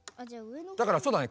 だからそうだね